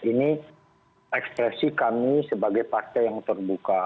ini ekspresi kami sebagai partai yang terbuka